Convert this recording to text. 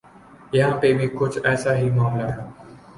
یہاں پہ بھی کچھ ایسا ہی معاملہ ہے۔